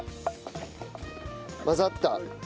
混ざった。